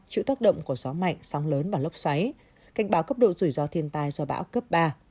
chịu tác động của gió mạnh sóng lớn và lốc xoáy cảnh báo cấp độ rủi ro thiên tai do bão cấp ba